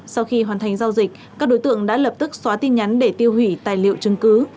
sau khi hoàn thành giao dịch các đối tượng đã lập tức xóa tin nhắn để tiêu hủy tài liệu chứng cứ